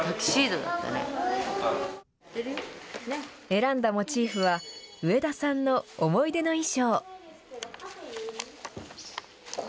選んだモチーフは、植田さんの思い出の衣装。